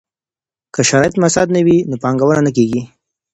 که شرايط مساعد نه وي نو پانګونه نه کيږي.